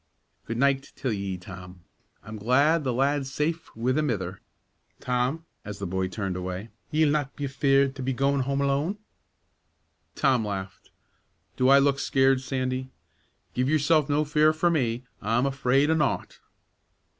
"Good nicht till ye, Tom! I'm glad the lad's safe wi' the mither. Tom," as the boy turned away, "ye'll not be afeard to be goin' home alone?" Tom laughed. "Do I looked scared, Sandy? Give yourself no fear for me; I'm afraid o' naught."